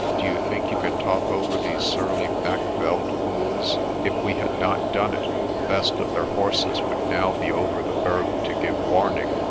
Do you think you can talk over these surly back veld fools? If we had not done it, the best of their horses would now be over the Berg to give warning.